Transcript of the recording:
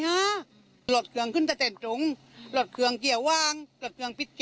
หลวดเครื่องก็ใส่หรอกหลวดเที่ยวว่างหลวดเครื่องปิโยชน์